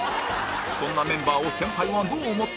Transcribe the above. そんなメンバーを先輩はどう思ってるのか？